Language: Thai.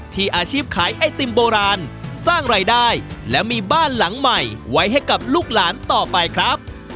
อาชีพขายไอติมโบราณสร้างรายได้และมีบ้านหลังใหม่ไว้ให้กับลูกหลานต่อไปครับ